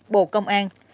hai bộ công an